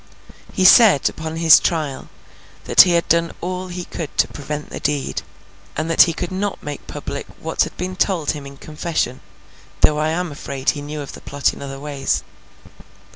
He said, upon his trial, that he had done all he could to prevent the deed, and that he could not make public what had been told him in confession—though I am afraid he knew of the plot in other ways.